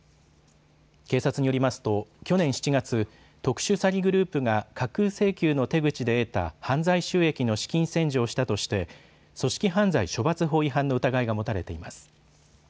警察によりますと去年７月、特殊詐欺グループが架空請求の手口で得た犯罪収益の資金洗浄をしたとして組織犯罪処罰法違反の疑いが持たれています。